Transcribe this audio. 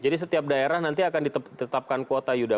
jadi setiap daerah nanti akan ditetapkan kuota yuda